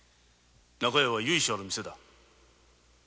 中屋は由緒ある店だ。